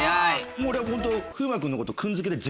もう俺ホント。